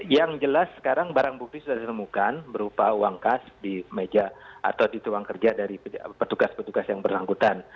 yang jelas sekarang barang bukti sudah ditemukan berupa uang kas di meja atau dituang kerja dari petugas petugas yang bersangkutan